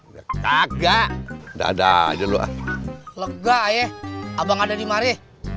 kagak ada aja lu ah lega ya abang ada di mari